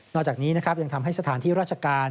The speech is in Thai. จากนี้นะครับยังทำให้สถานที่ราชการ